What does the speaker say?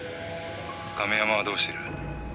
亀山はどうしてる？」